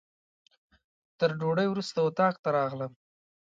تر ډوډۍ وروسته اتاق ته راغلم.